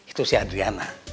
itu si adriana